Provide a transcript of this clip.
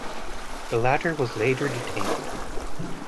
The latter was later detained.